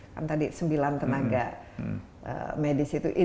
kan tadi sembilan tenaga medis itu diberikan